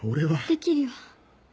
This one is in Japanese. できるよ。